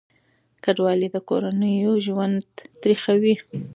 کډوالي د کورنیو ژوند تریخوي.